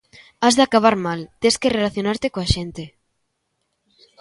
_Has de acabar mal, tes que relacionarte coa xente.